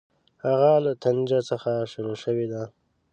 هغه له طنجه څخه شروع شوې ده.